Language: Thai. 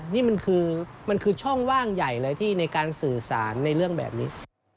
นี่มันคือมันคือช่องว่างใหญ่เลยที่ในการสื่อสารในเรื่องแบบนี้